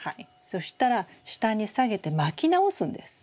そしたら下に下げて巻き直すんです。